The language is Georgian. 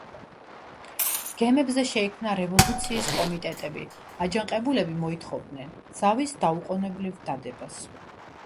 გემებზე შეიქმნა რევოლუციის კომიტეტები, აჯანყებულები მოითხოვდნენ ზავის დაუყონებლივ დადებას.